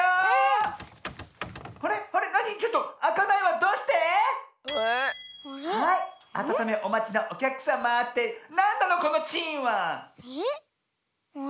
どうして⁉はいあたためおまちのおきゃくさまってなんなのこのチーンは⁉えっ。